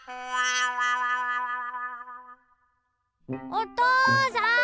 おとうさん！